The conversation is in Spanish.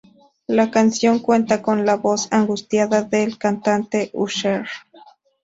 La canción cuenta con la voz angustiada del cantante Usher.